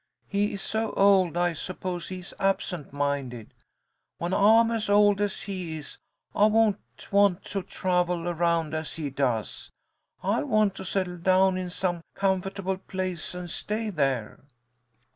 He is so old I suppose he is absent minded. When I'm as old as he is, I won't want to travel around as he does. I'll want to settle down in some comfortable place and stay there."